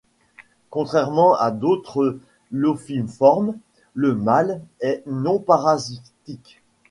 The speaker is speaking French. Contrairement à d'autres Lophiiformes, le mâle est non parasitique.